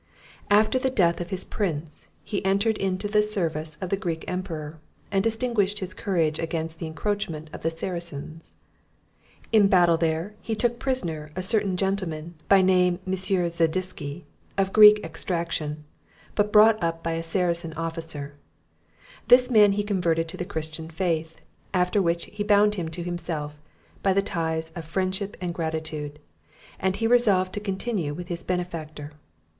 After the death of his prince, he entered into the service of the Greek emperor, and distinguished his courage against the encroachments of the Saracens. In a battle there, he took prisoner a certain gentleman, by name M. Zadisky, of Greek extraction, but brought up by a Saracen officer; this man he converted to the Christian faith; after which he bound him to himself by the ties of friendship and gratitude, and he resolved to continue with his benefactor.